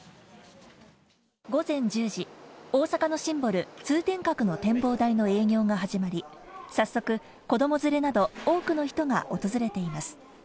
午前１０時、大阪のシンボル・通天閣の展望台の営業が始まり、早速、子供連れなど多くの人が訪れています。